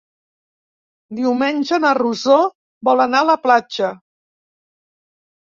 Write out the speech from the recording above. Diumenge na Rosó vol anar a la platja.